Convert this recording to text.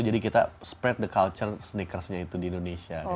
jadi kita spread the culture sneakersnya itu di indonesia